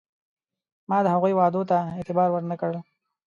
ما د هغوی وعدو ته اعتبار ور نه کړ.